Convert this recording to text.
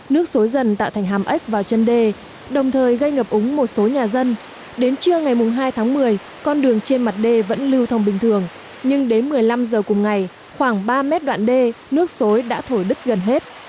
nước xi dần tạo thành hàm ếch và chân đê đồng thời gây ngập úng một số nhà dân đến trưa ngày hai tháng một mươi con đường trên mặt đê vẫn lưu thông bình thường nhưng đến một mươi năm giờ cùng ngày khoảng ba mét đoạn đê nước suối đã thổi đứt gần hết